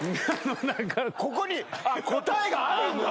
ここに答えがあるんだ！